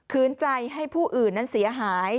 คืนใจให้ผู้อื่นนั้นเสียหาย